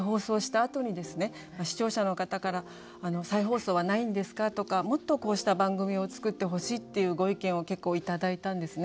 視聴者の方から「再放送はないんですか？」とか「もっとこうした番組を作ってほしい」っていうご意見を結構頂いたんですね。